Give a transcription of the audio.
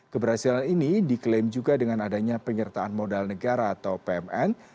keberhasilan ini diklaim juga dengan adanya penyertaan modal negara atau pmn